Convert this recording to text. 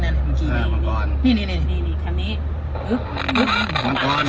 แน่นี่เป็นรถที่ขึ้นกับดั่งเมืองได้